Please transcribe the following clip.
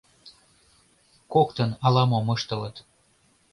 Коктын ала-мом ыштылыт...